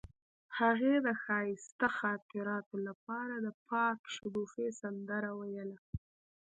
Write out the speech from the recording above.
هغې د ښایسته خاطرو لپاره د پاک شګوفه سندره ویله.